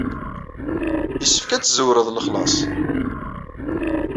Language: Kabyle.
Yessefk ad teszerwred lexlaṣ.